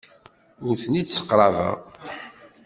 Ur ten-id-sseqrabeɣ.